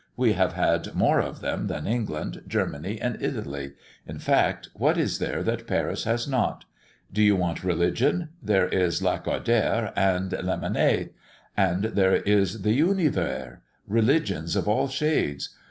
We have had more of them than England, Germany, and Italy in fact, what is there that Paris has not? Do you want religion? there is Lacordaire and Lamennais; and there is the Univers religions of all shades.